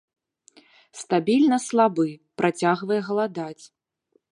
Стабільна слабы, працягвае галадаць.